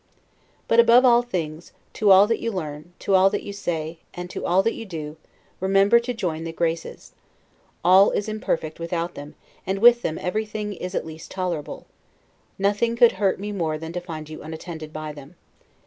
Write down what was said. But, above all things, to all that you learn, to all that you say, and to all that you do, remember to join the Graces. All is imperfect without them; with them everything is at least tolerable. Nothing could hurt me more than to find you unattended by them.